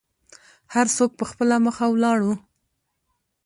هر څوک په خپله مخه ولاړو.